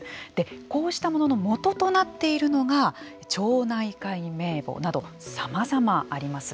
こうしたもののもととなっているのが町内会名簿などさまざまあります。